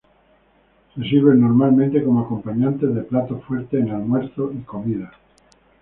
Se sirven normalmente como acompañantes de platos fuertes en almuerzos y comidas.